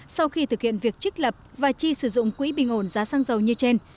sau khi thực hiện việc trích lập và chi sử dụng quỹ bình ổn giá xăng dầu như trên